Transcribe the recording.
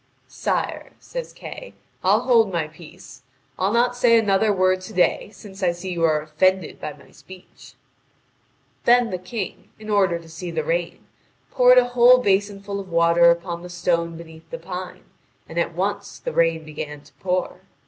"Sire," says Kay, "I'll hold my peace. I'll not say another word to day, since I see you are offended by my speech." Then the King, in order to see the rain, poured a whole basin full of water upon the stone beneath the pine, and at once the rain began to pour.